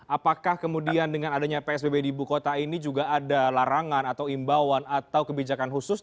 apakah kemudian dengan adanya psbb di ibu kota ini juga ada larangan atau imbauan atau kebijakan khusus